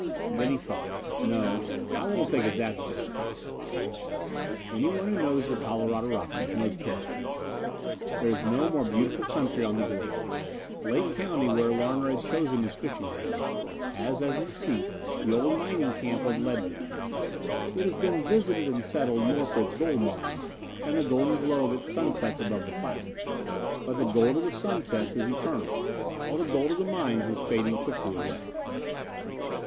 Then he thought, "No, I won't take it that seriously." Anyone who knows the Colorado Rockies knows paradise. There is no more beautiful country on the globe. Lake County, where Larner had chosen his fishing grounds, has as its seat the old mining camp of Leadville. It has been visited and settled more for its gold mines than the golden glow of its sunsets above the clouds, but the gold of the sunsets is eternal, while the gold of the mines is fading quickly away.